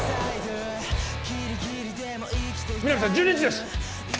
皆実さん１２時です！